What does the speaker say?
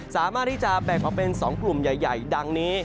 สามารถที่จะแบ่งออกเป็น๒กลุ่มใหญ่ดังนี้